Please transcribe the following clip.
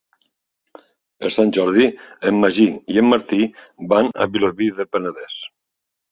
Per Sant Jordi en Magí i en Martí van a Vilobí del Penedès.